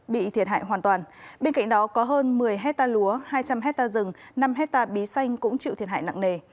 bên cạnh đó có hơn một mươi hecta lúa hai trăm linh hecta rừng năm hecta bí xanh cũng chịu thiệt hại nặng nề